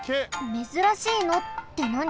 めずらしいのってなに？